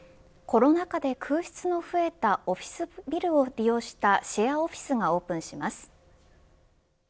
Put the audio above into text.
コロナ禍で空室の増えたオフィスビルを利用したシェアオフィスがオープンします。